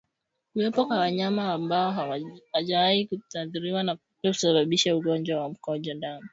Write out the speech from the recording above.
Kuwepo kwa wanyama ambao hawajawahi kuathiriwa na kupe husababisha ugonjwa wa mkojo damu